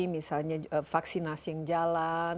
misalnya vaksinasi yang jalan